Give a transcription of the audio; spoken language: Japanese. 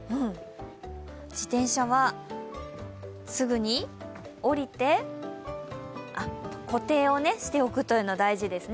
自転車は、すぐに降りて固定をしておくというのが大事ですね。